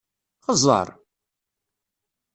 Xeẓẓeṛ!